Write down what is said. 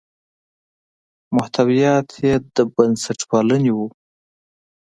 محتویات یې د بنسټپالنې وو.